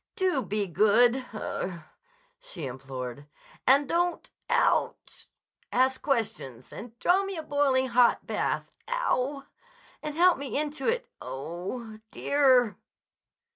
"Do be good—ugh!" she implored. "And don't—ooch!—ask questions—and draw me a boiling hot bath—ow w w!—and help me into it—oh h h h—_dear!